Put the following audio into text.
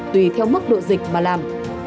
tùy theo mức độ dịch mà làm